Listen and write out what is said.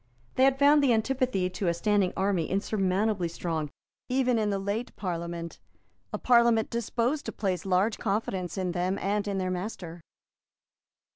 They had found the antipathy to a standing army insurmountably strong even in the late Parliament, a Parliament disposed to place large confidence in them and in their master.